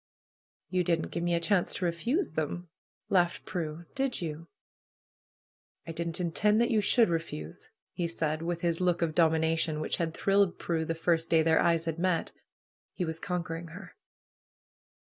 "You didn't give me a chance to refuse them!" laughed Prue. "Did you?" "I didn't intend that you should refuse," he said, with his look of dominion, which had thrilled Prue the first day their eyes had met. He was conquering her.